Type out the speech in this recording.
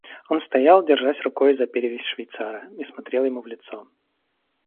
Он стоял, держась рукой за перевязь швейцара, и смотрел ему в лицо.